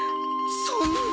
そんな。